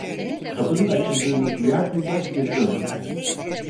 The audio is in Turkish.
Kapının açıldığını duyar duymaz geri döndü.